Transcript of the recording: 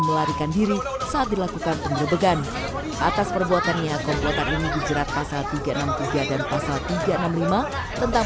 melakukan pemberbegan atas perbuatannya kompulat ini dijerat pasal tiga ratus enam puluh tiga dan pasal tiga ratus enam puluh lima tentang